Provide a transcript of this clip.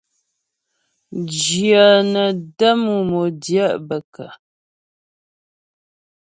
Jyə nə́ lə mú modjɛ' bə kə́ ?